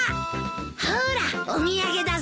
ほーらお土産だぞ。